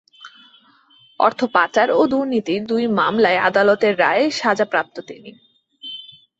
অর্থ পাচার ও দুর্নীতির দুই মামলায় আদালতের রায়ে সাজাপ্রাপ্ত তিনি।